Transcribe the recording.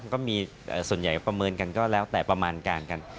ก็มีส่วนใหญ่ประเมินกันก็แล้วแต่ประมาณการกัน